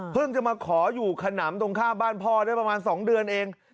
จะมาขออยู่ขนำตรงข้ามบ้านพ่อได้ประมาณ๒เดือนเอง